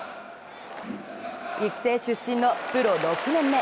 育成出身のプロ６年目。